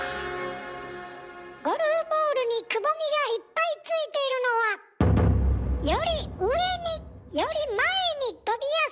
ゴルフボールにくぼみがいっぱいついているのはより上により前に飛びやすくするため。